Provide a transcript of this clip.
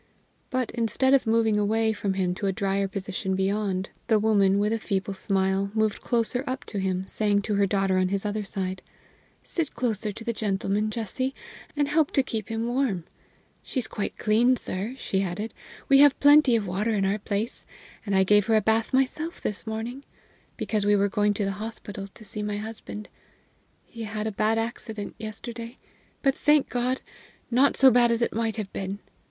But, instead of moving away from him to a drier position beyond, the woman, with a feeble smile, moved closer up to him, saying to her daughter on his other side: "Sit closer to the gentleman, Jessie, and help to keep him warm. She's quite clean, sir," she added. "We have plenty of water in our place, and I gave her a bath myself this morning, because we were going to the hospital to see my husband. He had a bad accident yesterday, but thank God! not so bad as it might have been.